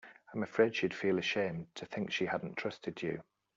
I'm afraid she'd feel ashamed to think she hadn't trusted you.